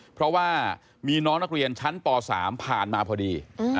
เพราะว่ามีน้องนักเรียนชั้นป๓ผ่านมาพอดี